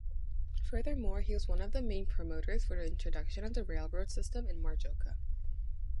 Furthermore, he was one of the main promoters for the introduction of the railroad system in Majorca.